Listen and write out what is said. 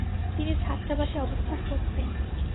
তিনি ছাত্রাবাসে অবস্থান করতেন।